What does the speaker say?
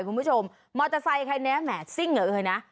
คุณผู้ชมมอเตอร์ไซค์ใครแนะแหมซิ่งเหอะเว้ยนะ